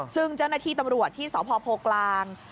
ซึ่งเจ้าหน้าที่ตำรวจที่สพโพกลาง